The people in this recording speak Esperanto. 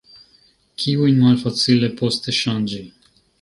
Kiujn malfacile poste ŝanĝi.